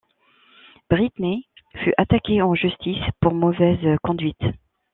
Brittney fut attaquée en justice pour mauvaise conduite.